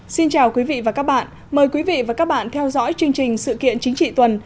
xin chào quý vị và các bạn mời quý vị và các bạn theo dõi chương trình sự kiện chính trị tuần